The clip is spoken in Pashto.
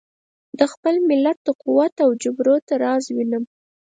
د خپل ملت د قوت او جبروت راز وینم.